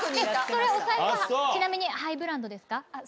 それお財布はちなみにハイブランドですか？